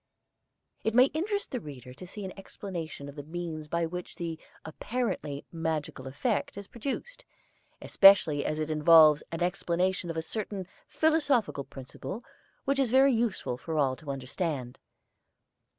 It may interest the reader to see an explanation of the means by which the apparently magical effect is produced, especially as it involves an explanation of a certain philosophical principle which it is very useful for all to understand.